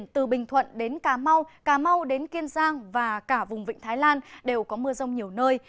từ bình thuận đến cà mau cà mau đến kiên giang và cả vùng vịnh thái lan đều có mưa rông nhiều nơi